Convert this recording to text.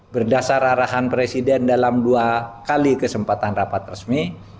berdasar arahan presiden dalam dua kali kesempatan rapat resmi